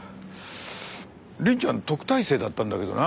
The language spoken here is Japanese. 凛ちゃん特待生だったんだけどな。